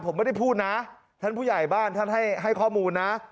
ผมไม่ได้พูดนะท่านผู้ใหญ่บ้านท่านให้ข้อมูลนะ